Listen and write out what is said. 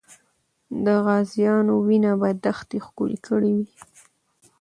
د غازیانو وینه به دښته ښکلې کړې وي.